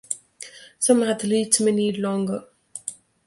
Some athletes may need longer.